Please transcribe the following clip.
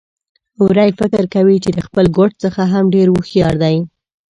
وری فکر کوي چې د خپل ګډ څخه ډېر هوښيار دی.